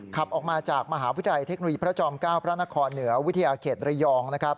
ขับออกมาจากมหาวิทยาลัยเทคโนโลยีพระจอม๙พระนครเหนือวิทยาเขตระยองนะครับ